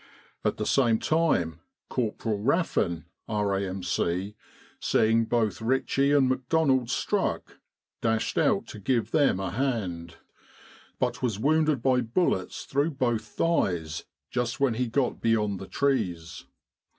At the same time Corporal Raffin, R.A.M.C., seeing both Ritchie and McDonald struck, dashed out to give them a hand, but was wounded by bullets through both thighs just when he got beyond the trees.